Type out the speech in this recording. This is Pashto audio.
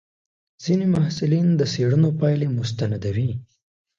ځینې محصلین د څېړنو پایلې مستندوي.